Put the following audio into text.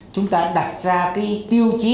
chúng ta đặt ra cái tiêu chí